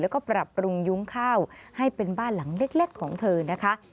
แล้วก็ปรับปรุงยุ้งข้าวให้เป็นบ้านหลังเล็กของเธอนะคะ